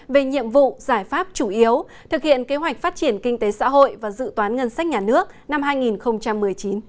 về nhiệm vụ giải pháp chủ yếu thực hiện kế hoạch phát triển kinh tế xã hội và dự toán ngân sách nhà nước năm hai nghìn một mươi chín